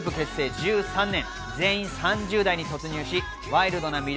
１３年、全員３０代に突入し、ワイルドな魅力